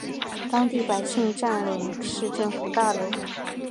当地百姓占领市政府大楼。